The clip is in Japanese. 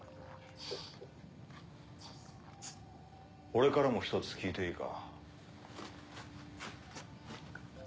俺からも１つ聞いていいか。